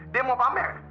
dia mau pamer